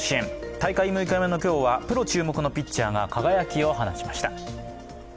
大会６日目の今日はプロ注目のピッチャーが輝きを放ちました。